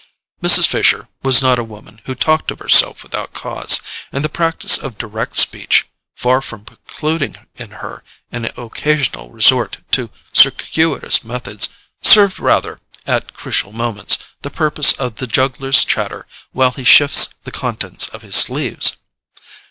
Mrs. Fisher was not a woman who talked of herself without cause, and the practice of direct speech, far from precluding in her an occasional resort to circuitous methods, served rather, at crucial moments, the purpose of the juggler's chatter while he shifts the contents of his sleeves.